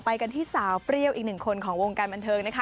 กันที่สาวเปรี้ยวอีกหนึ่งคนของวงการบันเทิงนะคะ